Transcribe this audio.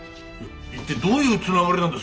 一体どういうつながりなんだ？